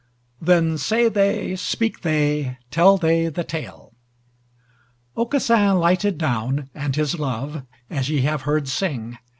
Then say they, speak they, tell they the Tale: Aucassin lighted down and his love, as ye have heard sing.